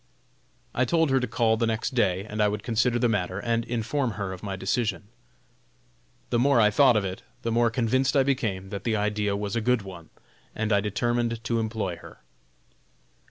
I told her to call the next day, and I would consider the matter, and inform her of my decision. The more I thought of it, the more convinced I became that the idea was a good one, and I determined to employ her.